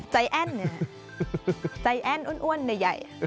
แอ้นเนี่ยใจแอ้นอ้วนใหญ่